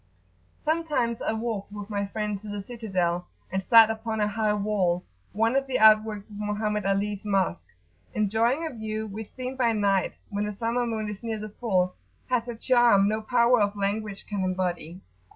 Sometimes I walked with my friend to the citadel, and sat upon a high wall, one of the outworks of Mohammed Ali's Mosque, enjoying a view which, seen by night, when the summer moon is near the full, has a charm no power of language can embody.